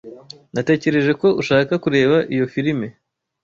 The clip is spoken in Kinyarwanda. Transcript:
Natekereje ko ushaka kureba iyo firime.